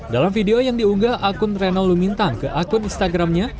dalam video yang diunggah akun renal lumintang ke akun instagramnya